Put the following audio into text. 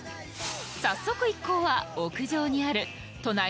早速一行は屋上にある都内